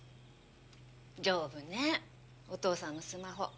丈夫ねお父さんのスマホ。